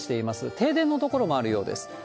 停電の所もあるようです。